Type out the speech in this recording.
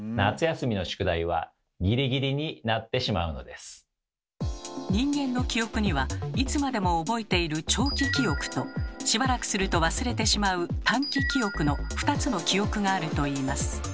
そのため人間の記憶にはいつまでも覚えている「長期記憶」としばらくすると忘れてしまう「短期記憶」の２つの記憶があるといいます。